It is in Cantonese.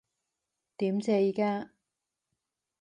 點啫依家？